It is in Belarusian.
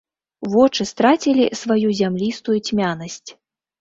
Вочы страцілі сваю зямлістую цьмянасць.